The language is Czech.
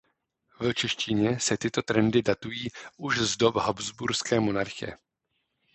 V češtině se tyto trendy datují už z doby habsburské monarchie.